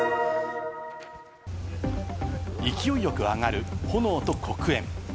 勢いよく上がる炎と黒煙。